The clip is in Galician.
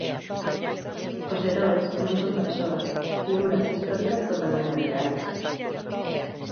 Os heroes non son persoas, figuras históricas totalmente reais.